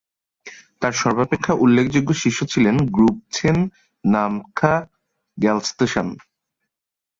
তার সর্বাপেক্ষা উল্লেখযোগ্য শিষ্য ছিলেন গ্রুব-ছেন-নাম-ম্খা'-র্গ্যাল-ম্ত্শান